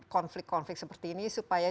konflik konflik seperti ini supaya